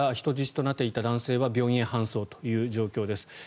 人質となっていた男性は病院へ搬送という状況です。